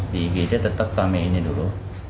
di igd tetap rame ini dulu